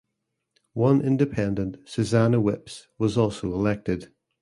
One independent Susannah Whipps was also elected.